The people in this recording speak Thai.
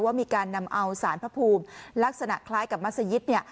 ว่ามีการนำเอาสารพระภูมิลักษณะคล้ายกับมัศยิตเนี่ย